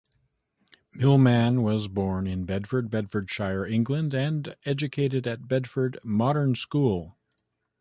Millman was born in Bedford, Bedfordshire, England and educated at Bedford Modern School.